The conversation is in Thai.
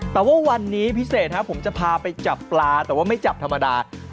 แต่ว่าวันนี้พิเศษครับผมจะพาไปจับปลาแต่ว่าไม่จับธรรมดา